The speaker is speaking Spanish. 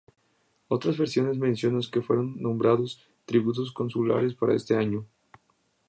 Otras versiones mencionan que fueron nombrados tribunos consulares para este año.